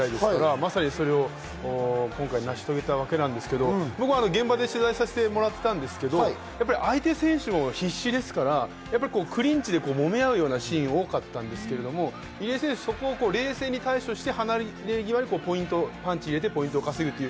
まさに今回成し遂げたわけなんですが僕、現場で取材させてもらってたんですが、相手選手も必死ですから、クリンチでもみ合うシーンが多かったんですが入江選手、そこを冷静に対処して、離れ際にポイントパンチ入れて、ポイントを稼ぐという。